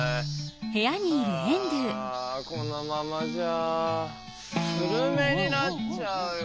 あこのままじゃスルメになっちゃうよ。